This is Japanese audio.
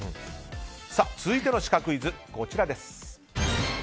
続いてのシカクイズはこちら。